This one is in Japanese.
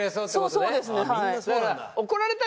そうですねはい。